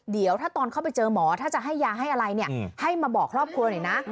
เดี๋ยวถ้าตอนเข้าไปเจอหมอถ้าจะให้ยาให้อะไรเนี่ยให้มาบอกครอบครัวหน่อยนะ